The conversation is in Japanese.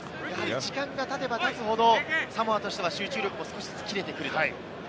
時間がたてばたつほど、サモアとしては集中力が切れてくると。